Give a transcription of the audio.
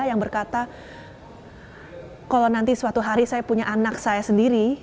yang berkata kalau nanti suatu hari saya punya anak saya sendiri